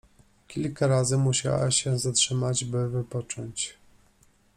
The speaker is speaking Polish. Kilka razy musiała się zatrzymać, by wypocząć.